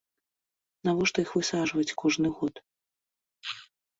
Навошта іх высаджваюць кожны год?